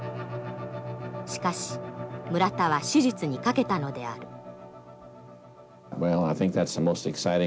しかし村田は手術に懸けたのである。